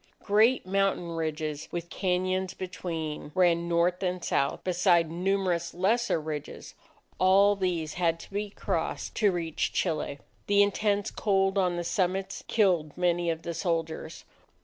Great mountain ridges, with cañons between, ran north and south, beside numerous lesser ridges; all these had to be crossed to reach Chile. The intense cold on the summits, killed many of the soldiers.